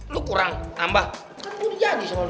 lo kurang nambah kan gue dijanji sama lo